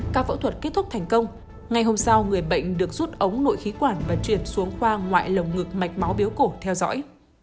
ca phẫu thuật kết thúc thành công ngày hôm sau người bệnh được rút ống nội khí quản và chuyển xuống khoa ngoại lồng ngực mạch máu biếu cổ theo dõi